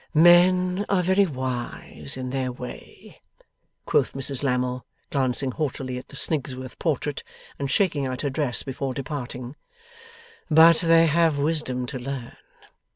'Men are very wise in their way,' quoth Mrs Lammle, glancing haughtily at the Snigsworth portrait, and shaking out her dress before departing; 'but they have wisdom to learn.